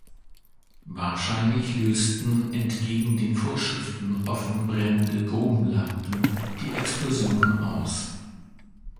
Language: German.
Wahrscheinlich lösten entgegen den Vorschriften offen brennende Grubenlampen die Explosion aus.